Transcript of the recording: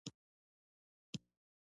د خپل زړه په جنازه کې د دردونو امامت کړم